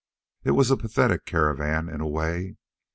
It was a pathetic caravan, in a way.